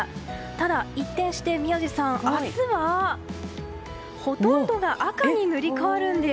ただ、一転して宮司さん明日はほとんどが赤に塗り替わるんです。